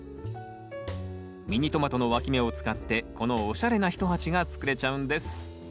ミニトマトのわき芽を使ってこのおしゃれな一鉢が作れちゃうんです